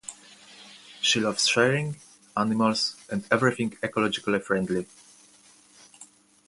She loves sharing, animals, and everything ecologically friendly.